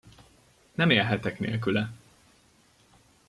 Nem élhetek nélküle!